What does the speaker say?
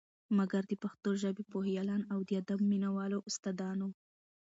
مګر د پښتو ژبې پوهیالان او د ادب مینه والو استا دانو